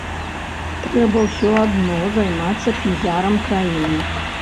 Трэба ўсё адно займацца піярам краіны.